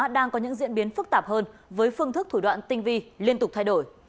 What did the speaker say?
đang có những diễn biến phức tạp hơn với phương thức thủ đoạn tinh vi liên tục thay đổi